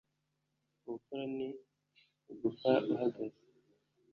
ubupfura ni ugapfa uhagaze